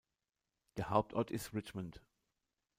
Der Hauptort ist Richmond.